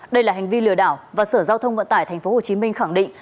và sở giao thông vận tải tp hcm khẳng định